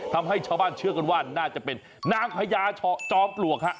ทำให้ชาวบ้านเชื่อกันว่าน่าจะเป็นนางพญาจอมปลวกฮะ